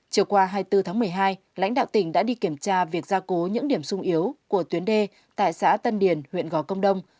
chiều qua hai mươi bốn tháng một mươi hai lãnh đạo tỉnh đã đi kiểm tra việc gia cố những điểm sung yếu của tuyến đê tại xã tân điền huyện gò công đông